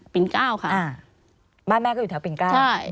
ปิงก้าวค่ะบ้านแม่ก็อยู่แถวปิงก้าว